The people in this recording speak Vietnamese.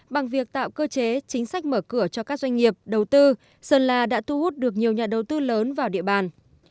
bằng việc tạo cơ chế chính sách mở cửa cho các doanh nghiệp đầu tư sơn la đã thu hút được nhiều nhà đầu tư lớn vào địa bàn